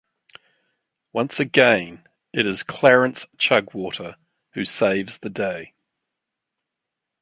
Once again it is Clarence Chugwater who saves the day.